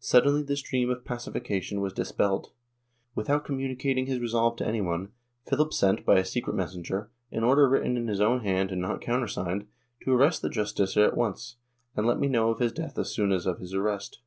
Suddenly this dream of pacification was dispelled. Without communicating his resolve to any one, Philip sent, by a secret messenger, an order written in his owm hand and not countersigned, to arrest the Justicia at once " and let me know of his death as soon as of his arrest."